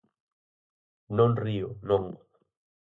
_Non río, non.